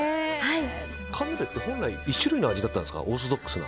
カヌレって本来１種類の味だったんですかオーソドックスな。